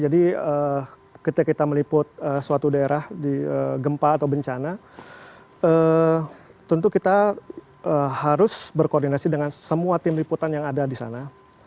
jadi ketika kita meliput suatu daerah di gempa atau bencana tentu kita harus berkoordinasi dengan semua tim liputan yang ada di sana